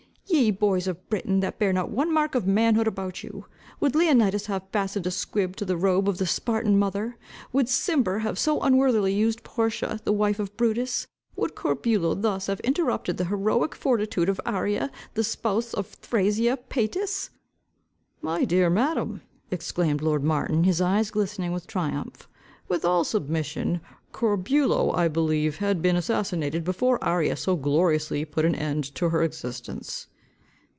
"Ye boys of Britain, that bear not one mark of manhood about you! Would Leonidas have fastened a squib to the robe of the Spartan mother? Would Cimber have so unworthily used Portia, the wife of Brutus? Would Corbulo thus have interrupted the heroic fortitude of Arria, the spouse of Thrasea Paetus?" "My dear madam," exclaimed lord Martin, his eyes glistening with triumph, "with all submission, Corbulo I believe had been assassinated, before Arria so gloriously put an end to her existence."